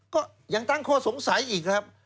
ก็ยังตั้งข้อสงสัยอีกครับ